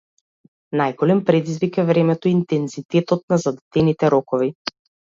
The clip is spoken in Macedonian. Најголем предизвик е времето и интензитетот на зададените рокови.